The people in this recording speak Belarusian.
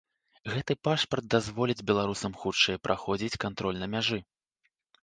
Гэты пашпарт дазволіць беларусам хутчэй праходзіць кантроль на мяжы.